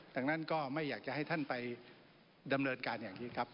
ดังนั้นก็ไม่อยากจะให้ท่านไปดำเนินการอย่างนี้ครับ